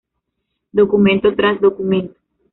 Documento tras documento.